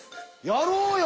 やろうよ！